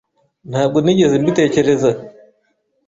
Ntabwo nigeze mbitekereza.